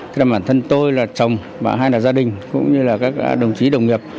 tức là bản thân tôi là chồng và hai là gia đình cũng như là các đồng chí đồng nghiệp